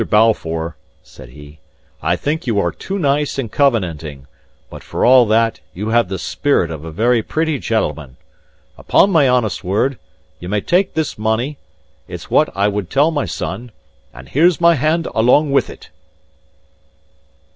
Balfour," said he, "I think you are too nice and covenanting, but for all that you have the spirit of a very pretty gentleman. Upon my honest word, ye may take this money it's what I would tell my son and here's my hand along with it!"